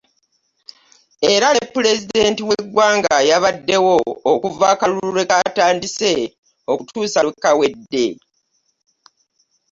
Era ne pulezidenti w'eggwanga yabaddewo okuva akalulu lwe kaatandise okutuusa lwe kaawedde.